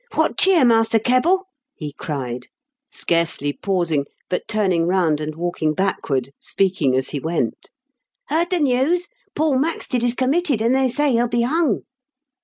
" What cheer, Master Kebble ?" he cried, THE KING'S PBES8. 289 scarcely pausing, but turning round and walking backward, speaking as lie went. " Heard the news ? Paul Maxted is com mitted, and they say he'll be hung!"